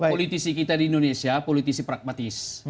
politisi kita di indonesia politisi pragmatis